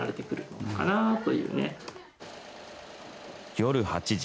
夜８時。